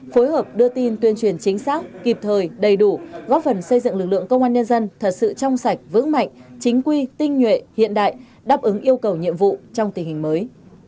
phối hợp đưa tin tuyên truyền chính xác kịp thời đầy đủ góp phần xây dựng lực lượng công an nhân dân thật sự trong sạch vững mạnh chính quy tinh nhuệ hiện đại đáp ứng yêu cầu nhiệm vụ trong tình hình mới